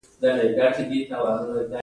خو موږ توپیري ارزښت او چلند لرو.